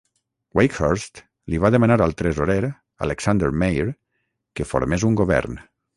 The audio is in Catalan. Wakehurst li va demanar al tresorer, Alexander Mair, que formés un govern.